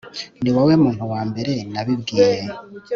Niwowe muntu wa mbere nabibwiye